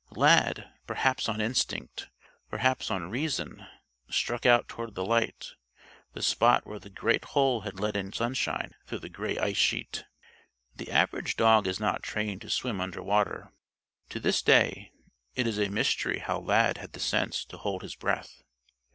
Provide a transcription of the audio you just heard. Lad, perhaps on instinct, perhaps on reason, struck out toward the light the spot where the great hole had let in sunshine through the gray ice sheet. The average dog is not trained to swim under water. To this day, it is a mystery how Lad had the sense to hold his breath.